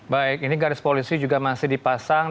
baik ini garis polisi juga masih dipasang